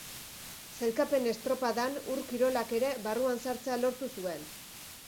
Sailkapen estropadan Ur-Kirolak ere barruan sartzea lortu zuen.